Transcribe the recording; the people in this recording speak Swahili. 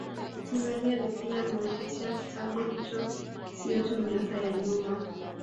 Tanzania na Kenya zimepitia kitambo hicho sio tu miaka ya nyuma